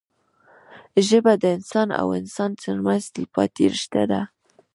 ژبه د انسان او انسان ترمنځ تلپاتې رشته ده